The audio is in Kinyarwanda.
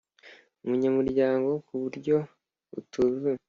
Umunyamuryango ku buryo butuzuye